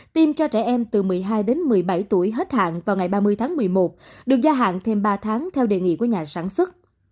tiêm cho trẻ em từ một mươi hai đến một mươi bảy tuổi hết hạn vào ngày ba mươi tháng một mươi một được gia hạn thêm ba tháng theo đề nghị của nhà sản xuất